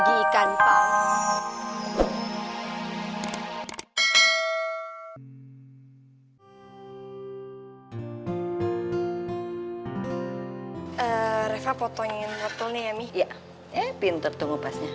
iya pinter tuh ngupasnya